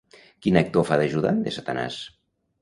Quin actor fa d'ajudant de Satanàs?